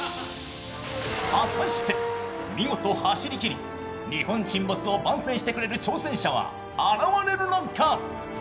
果たして、見事走りきり、「日本沈没」を番宣してくれる挑戦者は現れるのか？